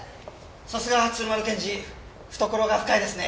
さすが鶴丸検事懐が深いですね。